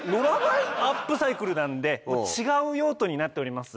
アップサイクルなんで違う用途になっております。